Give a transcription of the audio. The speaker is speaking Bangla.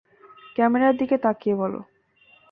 ক্যামেরার দিকে তাকিয়ে বলো।